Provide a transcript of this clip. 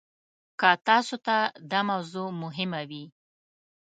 که تاسو ته دا موضوع مهمه وي.